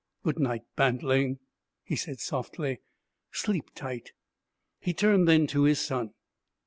'Good night, bantling!' he said, softly. 'Sleep tight!' He turned then to his son.